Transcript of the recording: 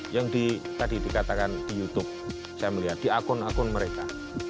yang tadi dikatakan di youtube saya melihat di akun akun mereka